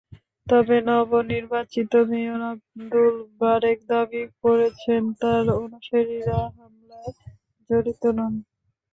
তবে নবনির্বাচিত মেয়র আবদুল বারেক দাবি করেছেন, তাঁর অনুসারীরা হামলায় জড়িত নন।